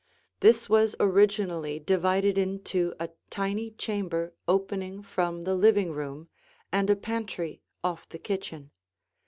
This was originally divided into a tiny chamber opening from the living room, and a pantry off the kitchen.